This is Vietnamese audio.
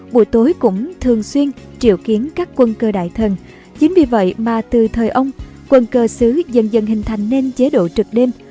buổi tối cũng thường xuyên triệu kiến các quân cơ đại thân chính vì vậy mà từ thời ông quân cơ xứ dần dần hình thành nên chế độ trực đêm